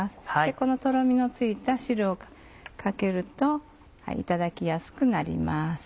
このトロミのついた汁をかけるといただきやすくなります。